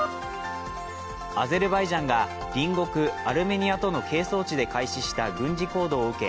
アゼルバイジャンが隣国・アルメニアとの係争地で開始した軍事行動を受け